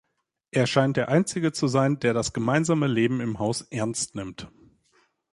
Er scheint der Einzige zu sein, der das gemeinsame Leben im Haus ernst nimmt.